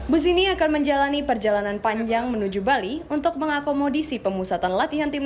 bus ini akan menjalani perjalanan panjang menuju bali untuk mengakomodisi pemusatan latihan timnas